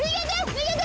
逃げて！